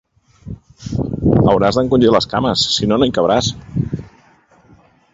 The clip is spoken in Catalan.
Hauràs d'encongir les cames, si no, no hi cabràs!